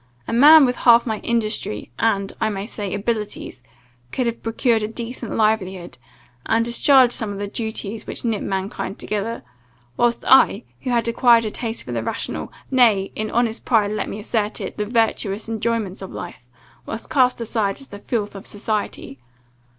A man with half my industry, and, I may say, abilities, could have procured a decent livelihood, and discharged some of the duties which knit mankind together; whilst I, who had acquired a taste for the rational, nay, in honest pride let me assert it, the virtuous enjoyments of life, was cast aside as the filth of society.